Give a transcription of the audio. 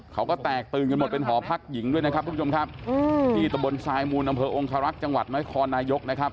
เขาก็แตกตื่นกันหมดเป็นหอพักหญิงด้วยนะครับทุกชมครับ